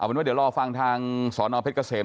เป็นว่าเดี๋ยวรอฟังทางสอนอเพชรเกษม